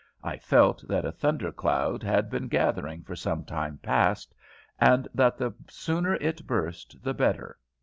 I felt that a thunder cloud had been gathering for some time past, and that the sooner it burst the better.